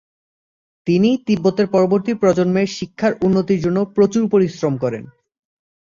তিনি তিব্বতের পরবর্তী প্রজন্মের শিক্ষার উন্নতির জন্য প্রচুর পরিশ্রম করেন।